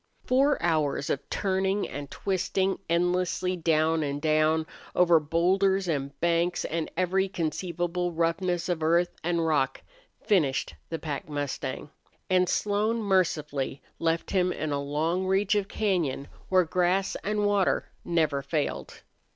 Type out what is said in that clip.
Four hours of turning and twisting, endlessly down and down, over bowlders and banks and every conceivable roughness of earth and rock, finished the pack mustang; and Slone mercifully left him in a long reach of cañon where grass and water never failed.